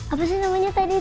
apa sih namanya tadi